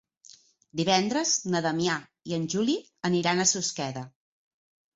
Divendres na Damià i en Juli aniran a Susqueda.